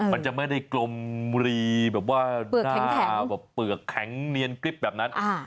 มันจะไม่ได้กลมรีแบบว่าหน้าแบบเปลือกแข็งเนียนกริ๊บแบบนั้น